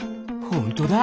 ほんとだ！